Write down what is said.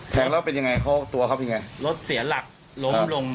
แทงแล้วเป็นยังไงเขาตัวเขาเป็นไงรถเสียหลักล้มลง